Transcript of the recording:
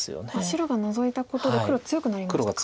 白がノゾいたことで黒強くなりましたか。